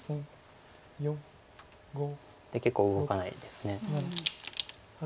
結構動かないです。